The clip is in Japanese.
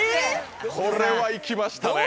これはいきましたね。